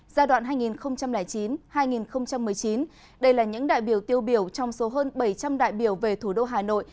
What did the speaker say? giai đoạn hai nghìn chín hai nghìn một mươi chín đây là những đại biểu tiêu biểu trong số hơn bảy trăm linh đại biểu về thủ đô hà nội